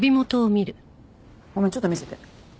ごめんちょっと見せて。